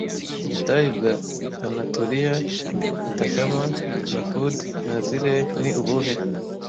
Ubutayu bwa Anatoliya, Atacama, Nafud na Zirreh ni ubuhe?